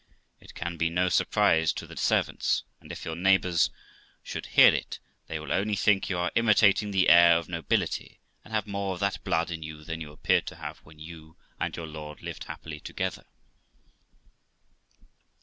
It can be no surprise to the servants, and if your neigbours should hear it, they will only think you are imitating the air of nobility, and have more of that blood in you than you appeared to have when you and your lord lived happily together.'